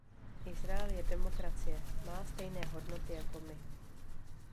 Izrael je demokracie; má stejné hodnoty jako my.